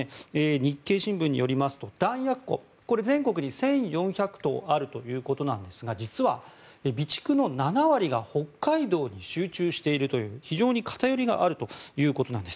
日経新聞によりますと弾薬庫全国に１４００棟あるということなんですが実は備蓄の７割が北海道に集中しているという非常に偏りがあるということなんです。